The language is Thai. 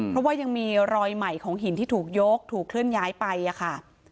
เพราะว่ายังมีรอยใหม่ของหินที่ถูกยกถูกเคลื่อนย้ายไปค่ะ